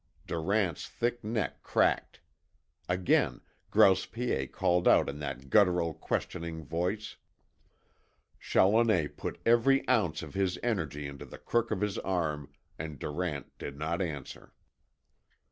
Durant's thick neck cracked. Again Grouse Piet called out in that guttural, questioning voice. Challoner put every ounce of his energy into the crook of his arm, and Durant did not answer.